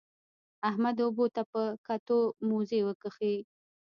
احمد اوبو ته په کتو؛ موزې وکښې.